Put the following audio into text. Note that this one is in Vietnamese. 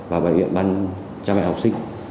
và bệnh viện băn trang mạng học sinh